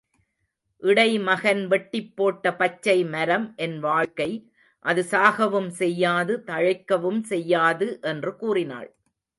இடை மகன் வெட்டிப் போட்ட பச்சைமரம் என் வாழ்க்கை அது சாகவும் செய்யாது தழைக்கவும் செய்யாது என்று கூறினாள்.